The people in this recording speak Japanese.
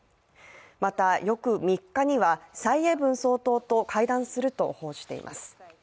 また、翌３日には蔡英文総統と会談すると報じています。